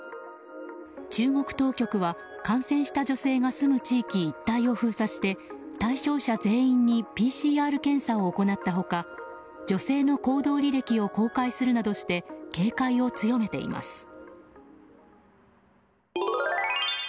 中国当局は、感染した女性が住む地域一帯を封鎖して対象者全員にＰＣＲ検査を行った他女性の行動履歴を公開するなどして警戒を強めています。